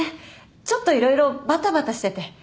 ちょっと色々バタバタしてて。